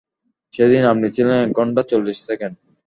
সেদিন আপনি ছিলেন এক ঘণ্টা চল্লিশ সেকেন্ড।